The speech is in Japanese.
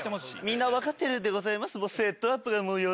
みんな分かってるんでございます。